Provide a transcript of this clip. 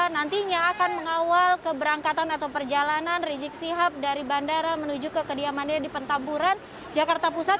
nantinya akan mengawal keberangkatan atau perjalanan rizik sihab dari bandara menuju ke kediamannya di petamburan jakarta pusat